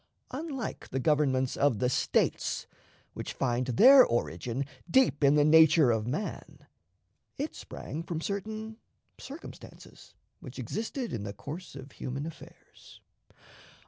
Unlike the governments of the States, which find their origin deep in the nature of man, it sprang from certain circumstances which existed in the course of human affairs.